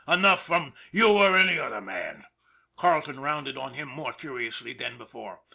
" Enough from you or any other man !" Carleton rounded on him more furiously than before.